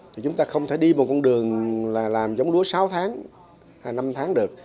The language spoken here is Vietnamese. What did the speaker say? thì chúng ta không thể đi một con đường làm giống lúa sáu tháng hay năm tháng được